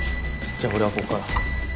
じゃあ俺はここから。